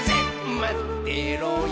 まってろよ−！